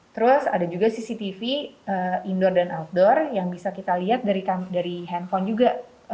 terus ada juga cctv indoor dan outdoor yang bisa kita lihat dari handphone juga